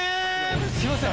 すいません。